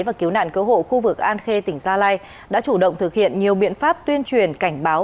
và cứu nạn cứu hộ khu vực an khê tỉnh gia lai đã chủ động thực hiện nhiều biện pháp tuyên truyền cảnh báo